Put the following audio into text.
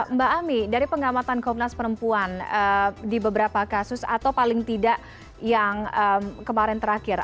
mbak ami dari pengamatan komnas perempuan di beberapa kasus atau paling tidak yang kemarin terakhir